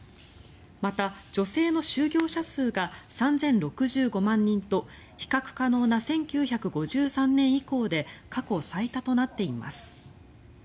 また、女性の就業者数が３０６５万人と比較可能な１９５３年以降で過去最多となっています。